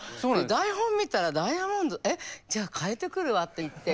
台本見たらダイヤモンドえっじゃあ替えてくるわって言って。